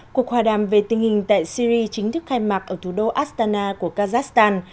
cuộc hòa đàm về tình hình tại syri chính thức khai mạc ở thủ đô astana của kazakhstan